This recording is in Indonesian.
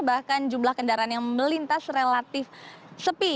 bahkan jumlah kendaraan yang melintas relatif sepi